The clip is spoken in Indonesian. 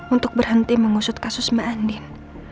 untuk berhenti mengusut kasus sama andin